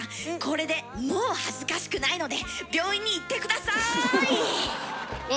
これでもう恥ずかしくないので病院に行って下さい！